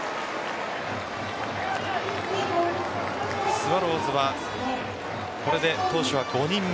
スワローズはこれで投手は５人目。